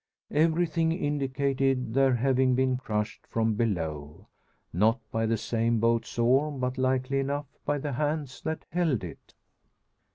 Everything indicated their having been crushed from below; not by the same boat's oar, but likely enough by the hands that held it!